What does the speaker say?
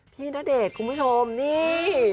ณเดชน์คุณผู้ชมนี่